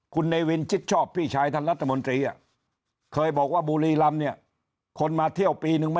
คุณเนวินจิตชอบพี่ชายท่านรัฐมนตรีอ่ะเคยบอกว่าบูรีลำเนี่ย